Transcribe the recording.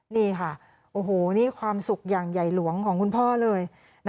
นี่ค่ะโอ้โหนี่ความสุขอย่างใหญ่หลวงของคุณพ่อเลย